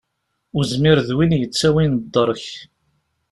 Uzmir d win yittawin ddeṛk.